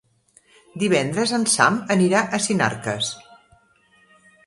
Divendres en Sam anirà a Sinarques.